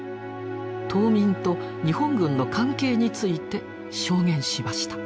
島民と日本軍の関係について証言しました。